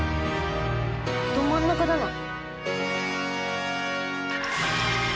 ど真ん中だな。